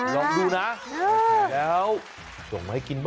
ลองดูนะโอเคแล้วส่งมาให้กินป